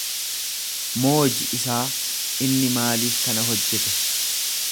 Mooji isaa, inni maaliif kana hojjete?